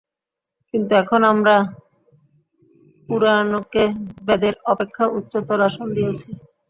কিন্তু এখন আমরা পুরাণকে বেদের অপেক্ষা উচ্চতর আসন দিয়াছি।